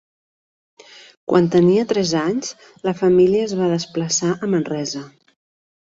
Quan tenia tres anys, la família es va desplaçar a Manresa.